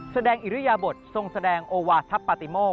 แสดงอิริยบททรงแสดงโหวัสธัปติโม